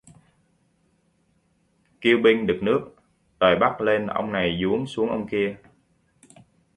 Kiêu binh được nước, đòi bắc lên ông này duống xuống ông kia